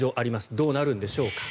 どうなるんでしょうか。